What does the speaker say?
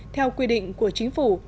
theo quy định của chính phủ